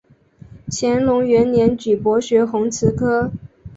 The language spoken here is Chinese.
乾隆元年举博学鸿词科。